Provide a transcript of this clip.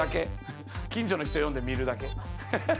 近所の人呼んで見るだけハハハ。